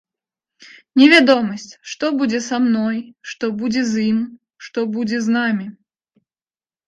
Невядомасць, што з будзе са мной, што будзе з ім, што будзе з намі.